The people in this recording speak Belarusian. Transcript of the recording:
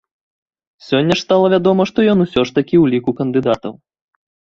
Сёння ж стала вядома, што ён усё ж такі ў ліку кандыдатаў.